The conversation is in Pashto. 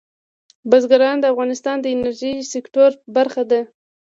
بزګان د افغانستان د انرژۍ سکتور برخه ده.